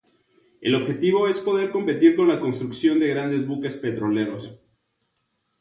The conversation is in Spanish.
El objetivo es poder competir con la construcción de grandes buques petroleros.